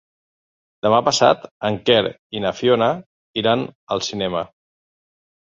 Demà passat en Quer i na Fiona iran al cinema.